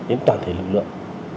đến toàn thể lực lượng